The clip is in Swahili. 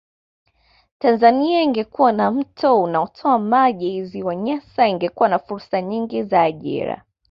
Tanzania ingekuwa na mto unaotoa maji ziwa Nyasa ingekuwa na fursa nyingi za ajira